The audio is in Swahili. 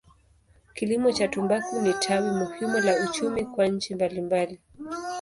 Kilimo cha tumbaku ni tawi muhimu la uchumi kwa nchi mbalimbali.